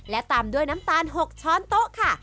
และตามด้วยน้ำตาล๖ช้อนโต๊ะค่ะ